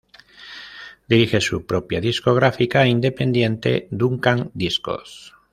Dirige su propia discográfica independiente, "Duncan Discos".